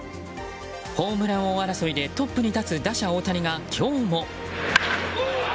ホームラン王争いでトップに立つ打者・大谷が今日も。